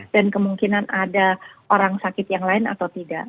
dan kemungkinan ada orang sakit yang lain atau tidak